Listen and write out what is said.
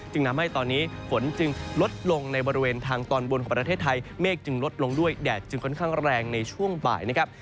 ทำให้ตอนนี้ฝนจึงลดลงในบริเวณทางตอนบนของประเทศไทยเมฆจึงลดลงด้วยแดดจึงค่อนข้างแรงในช่วงบ่ายนะครับ